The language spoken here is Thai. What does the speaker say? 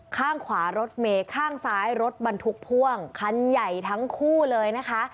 ข้างขวารถเมย์ข้างซ้ายรถบรรทุกพ่วงคันใหญ่ทั้งคู่เลยนะคะ